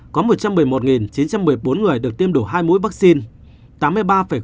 có một trăm một mươi một chín trăm một mươi bốn người được tiêm đủ hai mũi vaccine